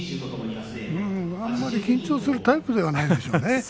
あまり緊張するタイプではないでしょうね。